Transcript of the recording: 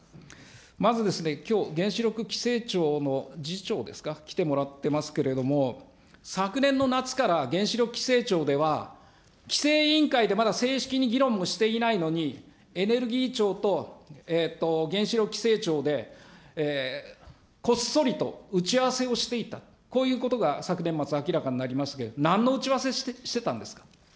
まずきょう、原子力規制庁の次長ですか、来てもらってますけども、昨年の夏から原子力規制庁では、規制委員会で、まだ正式に議論もしていないのに、エネルギー庁と原子力規制庁でこっそりと打ち合わせをしていた、こういうことが昨年末、ありましたけれども、なんの打ち合わせしてたんですか。